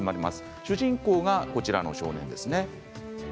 主人公がこちらの少年です。